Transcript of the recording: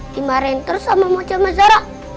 dimarahin terus sama mocha mazara